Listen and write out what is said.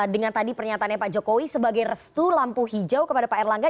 dengan tadi pernyataannya pak jokowi sebagai restu lampu hijau kepada pak erlangga